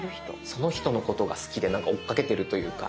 その人のことが好きで追っかけてるというか。